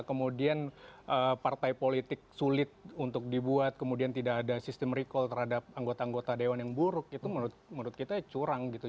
kemudian partai politik sulit untuk dibuat kemudian tidak ada sistem recall terhadap anggota anggota dewan yang buruk itu menurut kita curang gitu